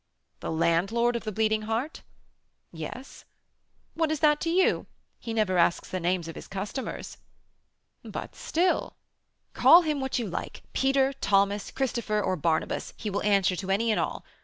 "The landlord of the Bleeding Heart?" "Yes." "What is that to you? He never asks the names of his customers." "But, still " "Call him what you like, Peter, Thomas, Christopher, or Barnabas, he will answer to any and all.